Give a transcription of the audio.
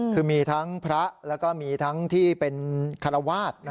คือมีทั้งพระแล้วก็มีทั้งที่เป็นคารวาส